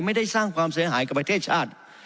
ไม่ได้สร้างความเสียหายกับประเทศชาติ